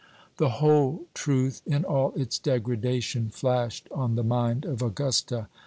The whole truth, in all its degradation, flashed on the mind of Augusta.